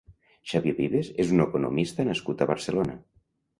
Xavier Vives és un economista nascut a Barcelona.